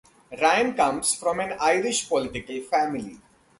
Ryan comes from an Irish political family.